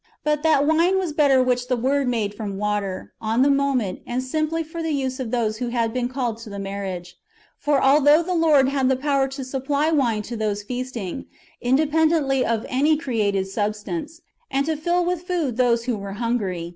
But that wine was better which the Word made from water, on the moment, and simply for the use of those who had been called to the marriage. For although the Lord had the power to supply wine to those feasting, inde pendently of any created substance, and to fill with food those who were hungry.